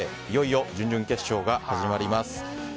いよいよ準々決勝が行われます。